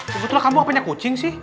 kebetulan kamu punya kucing sih